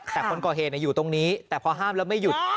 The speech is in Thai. แต่คนก่อเหตุอยู่ตรงนี้แต่พอห้ามแล้วไม่หยุด